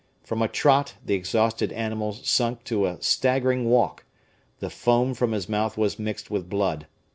From a trot the exhausted animal sunk to a staggering walk the foam from his mouth was mixed with blood.